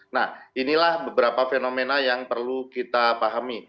nah inilah beberapa fenomena yang perlu kita pahami